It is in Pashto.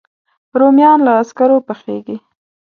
رومیان له سکرو پخېږي